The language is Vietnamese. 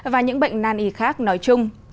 và những bệnh nan y khác nói chung